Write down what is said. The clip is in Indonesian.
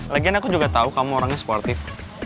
lagian aku juga tahu kamu orangnya sportif